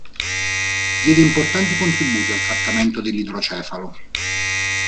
Diede importanti contributi al trattamento dell'idrocefalo.